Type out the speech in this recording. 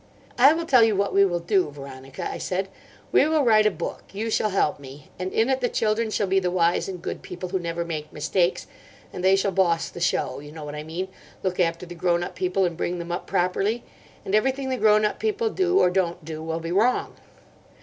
"I will tell you what we will do, Veronica," I said; "we will write a book. You shall help me. And in it the children shall be the wise and good people who never make mistakes, and they shall boss the show—you know what I mean—look after the grown up people and bring them up properly. And everything the grown up people do, or don't do, will be wrong."